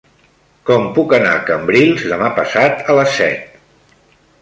Com puc anar a Cambrils demà passat a les set?